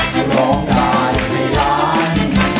เพราะร้องได้ให้ล้าน